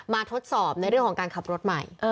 ทดสอบในเรื่องของการขับรถใหม่